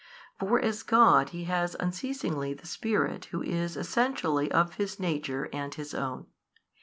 For as God He has unceasingly the Spirit Who is |552 Essentially of His Nature and His own.